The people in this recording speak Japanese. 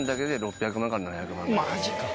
マジか。